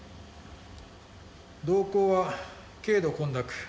瞳孔は軽度混濁。